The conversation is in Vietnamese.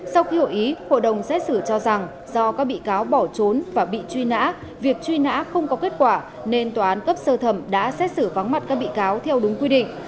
sau khi hội ý hội đồng xét xử cho rằng do các bị cáo bỏ trốn và bị truy nã việc truy nã không có kết quả nên tòa án cấp sơ thẩm đã xét xử vắng mặt các bị cáo theo đúng quy định